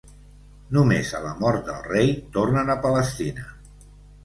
Només a la mort del rei tornen a Palestina.